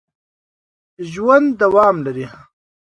ژوند دوام لري